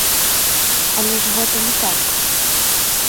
Але ж гэта не так.